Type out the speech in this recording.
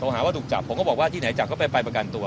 หาว่าถูกจับผมก็บอกว่าที่ไหนจับเขาไปประกันตัว